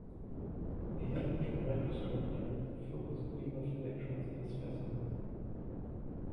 The electron microscope directs a focused beam of electrons at a specimen.